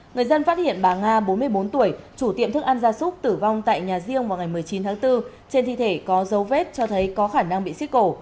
người dân phát hiện bà nga bốn mươi bốn tuổi chủ tiệm thức ăn gia súc tử vong tại nhà riêng vào ngày một mươi chín tháng bốn trên thi thể có dấu vết cho thấy có khả năng bị xít cổ